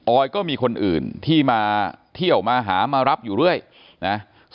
อยก็มีคนอื่นที่มาเที่ยวมาหามารับอยู่เรื่อยนะ